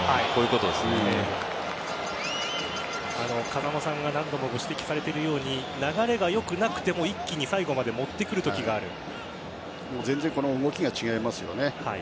風間さんが何度もご指摘されているように流れが良くなくても一気に最後まで全然動きが違いますよね。